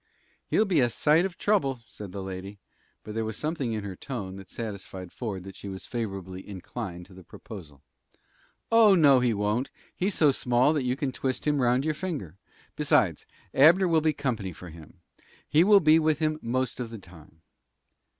"He'll be a sight of trouble," said the lady; but there was something in her tone that satisfied Ford that she was favorably inclined to the proposal. "Oh, no, he won't. He's so small that you can twist him round your finger. Besides, Abner will be company for him. He will be with him most of the time."